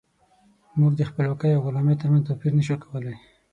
موږ د خپلواکۍ او غلامۍ ترمنځ توپير نشو کولی.